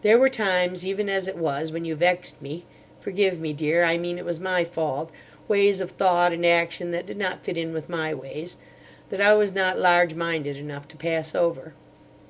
There were times, even as it was, when you vexed me. Forgive me, Dear, I mean it was my fault—ways of thought and action that did not fit in with my ways, that I was not large minded enough to pass over.